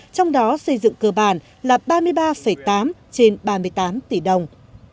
trong đó xây dựng cơ bản là ba mươi ba tám trên ba mươi tám tỷ đồng